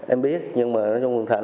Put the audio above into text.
em biết nhưng mà nói chung thật